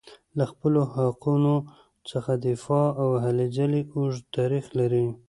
له خپلو حقونو څخه دفاع او هلې ځلې اوږد تاریخ لري.